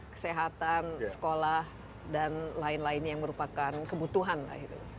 kesehatan sekolah dan lain lain yang merupakan kebutuhan lah itu